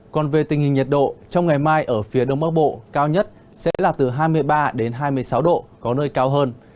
còn về tình hình nhiệt độ trong ngày mai ở phía đông bắc bộ cao nhất sẽ là từ hai mươi ba hai mươi sáu độ có nơi cao hơn